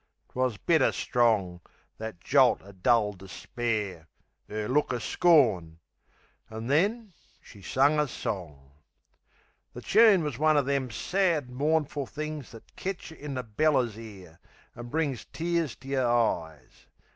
'Twas bitter strong, that jolt o' dull despair! 'Er look o' scorn!...An' then, she sung a song. The choon was one o' them sad, mournful things That ketch yeh in the bellers 'ere, and brings Tears to yer eyes.